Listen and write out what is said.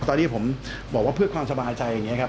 ตอนนี้ผมบอกว่าเพื่อความสบายใจอย่างนี้ครับ